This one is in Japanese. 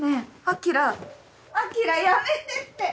晶やめてって！